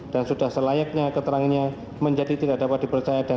dan sudah selayaknya keterangannya menjadi tidak dapat dipercaya